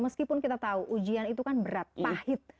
meskipun kita tahu ujian itu kan berat pahit